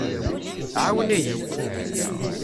ɛawen-iyi!